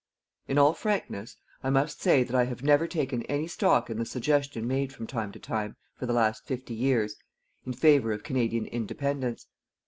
In all frankness, I must say that I have never taken any stock in the suggestion made from time to time, for the last fifty years, in favour of Canadian Independence.